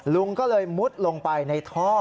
ลุงก็เลยมุดลงไปในท่อ